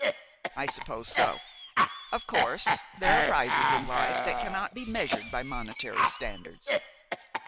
"I suppose so. Of course, there are prizes in life that cannot be measured by monetary standards."